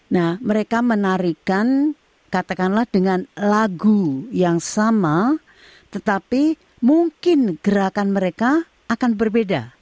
nah mereka menarikan katakanlah dengan lagu yang sama tetapi mungkin gerakan mereka akan berbeda